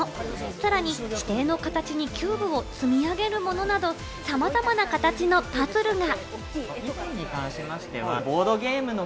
さらに指定の形にキューブを積み上げるものなどさまざまな形のパズルが。